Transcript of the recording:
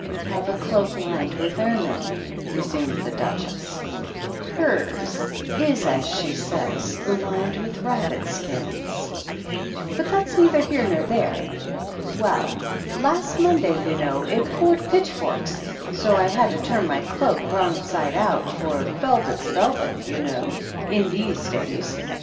have a cloak lined with ermine," resumed the Duchess ;" hers is, as she says, lined with rabbit skins ; but that's neither here nor there. Well, last Monday, you know, it poured pitchforks, so I had to turn my cloak wrong side out, for velvet's velvet, you know, in these days.